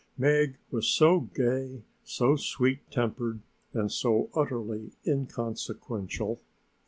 Meg was so gay, so sweet tempered and so utterly inconsequential.